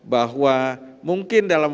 bahwa mungkin dalam